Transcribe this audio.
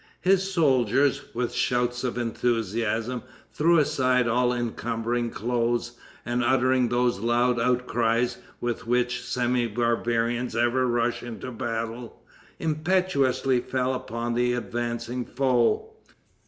His soldiers, with shouts of enthusiasm, threw aside all encumbering clothes, and uttering those loud outcries with which semi barbarians ever rush into battle, impetuously fell upon the advancing foe.